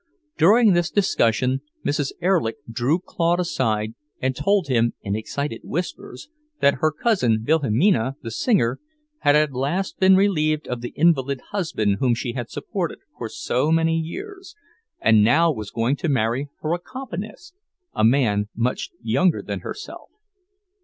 During this discussion, Mrs. Erlich drew Claude aside and told him in excited whispers that her cousin Wilhelmina, the singer, had at last been relieved of the invalid husband whom she had supported for so many years, and now was going to marry her accompanist, a man much younger than herself.